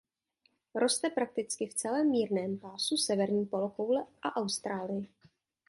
Roste prakticky v celém mírném pásu severní polokoule a Austrálii.